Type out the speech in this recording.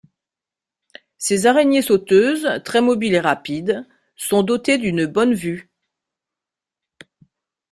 Ces araignées sauteuses, très mobiles et rapides sont dotées d'une bonne vue.